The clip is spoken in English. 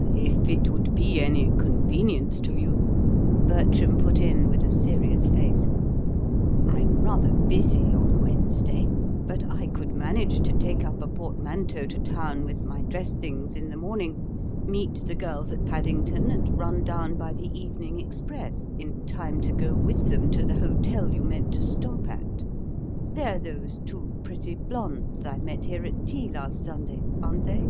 "Well, if it would be any convenience to you," Bertram put in with a serious face, "I'm rather busy on Wednesday; but I could manage to take up a portmanteau to town with my dress things in the morning, meet the girls at Paddington, and run down by the evening express in time to go with them to the hotel you meant to stop at. They're those two pretty blondes I met here at tea last Sunday, aren't they?"